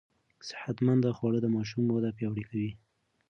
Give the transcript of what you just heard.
صحتمند خواړه د ماشوم وده پياوړې کوي.